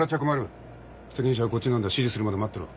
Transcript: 責任者はこっちなんだ指示するまで待ってろ。